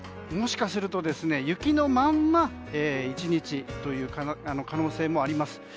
もしかすると、雪のまま１日という可能性もあります。